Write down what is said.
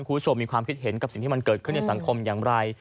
คุณผู้ชมมีความคิดเห็นกับสิ่งที่มันเกิดขึ้นในสังคมอย่างไร